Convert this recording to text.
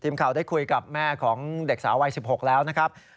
ทีมข่าวได้คุยกับแม่ของเด็กสาววัย๑๖แล้วนะครับ